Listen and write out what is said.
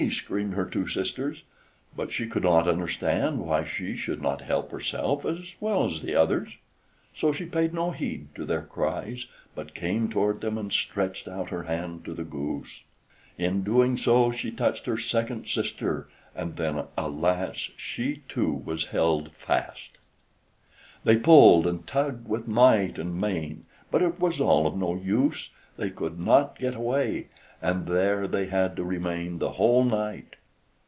screamed her two sisters, but she could not understand why she should not help herself as well as the others. So she paid no heed to their cries, but came toward them and stretched out her hand to the goose. In doing so she touched her second sister, and then, alas! she too, was held fast. They pulled and tugged with might and main, but it was all of no use; they could not get away, and there they had to remain the whole night.